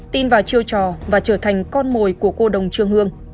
tin vào chiêu trò và trở thành con mồi của cô đồng trương hương